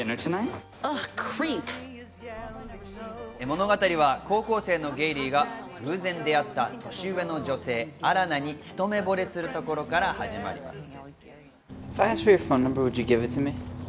物語は高校生のゲイリーが偶然出会った年上の女性アラナにひと目ぼれするところから始まります。